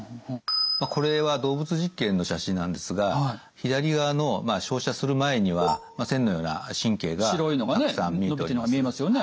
これは動物実験の写真なんですが左側の照射する前には線のような神経がたくさん見えています。